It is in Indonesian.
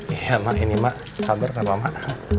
iya mak ini mak sabar sama mak